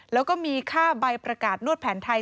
แล้วก็มีค่าใบประกาศนวดแผนไทย